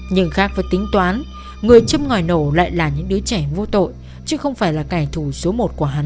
nhưng khác với tính toán người châm ngòi nổ lại là những đứa trẻ vô tội chứ không phải là cải thù số một của hắn